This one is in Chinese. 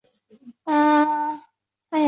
裂苞香科科为唇形科香科科属下的一个种。